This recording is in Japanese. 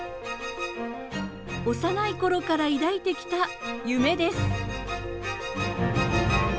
幼いころから抱いてきた夢です。